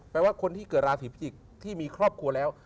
ว่าคนที่เกิดราศีพิจิกษ์ที่มีครอบครัวแล้ว